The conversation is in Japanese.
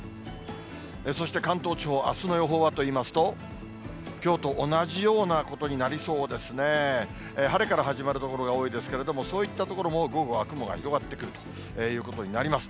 そして関東地方、あすの予報はといいますと、きょうと同じようなことになりそうですね。晴れから始まる所が多いですけれども、そういった所も午後は雲が広がってくるということになります。